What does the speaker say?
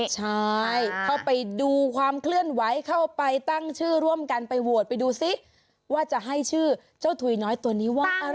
ใช่เข้าไปดูความเคลื่อนไหวเข้าไปตั้งชื่อร่วมกันไปโหวตไปดูซิว่าจะให้ชื่อเจ้าถุยน้อยตัวนี้ว่าอะไร